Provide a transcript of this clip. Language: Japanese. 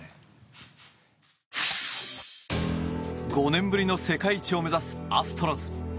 ５年ぶりの世界一を目指すアストロズ。